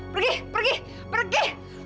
pergi pergi pergi